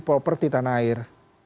properti tanah air